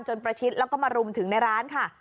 ประชิดแล้วก็มารุมถึงในร้านค่ะ